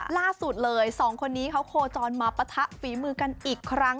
ล่าสุดเลยสองคนนี้เขาโคจรมาปะทะฝีมือกันอีกครั้ง